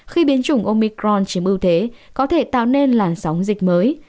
khi biến chủng omicron chiếm ưu thế có thể tạo nên làn sóng dịch mới